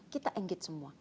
kita engage semua